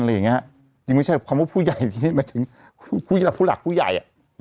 จริงไม่ใช่ผู้ใหญ่ที่รู้ถึงคุณเป็นผู้หลักผู้ใหญ่